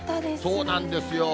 そうなんですよ。